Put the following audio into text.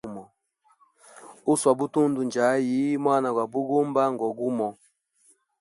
Uswa butundu njayi, mwana gwa bugumba ngo gumo.